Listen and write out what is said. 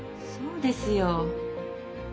そうですよ。